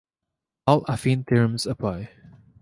All affine theorems apply.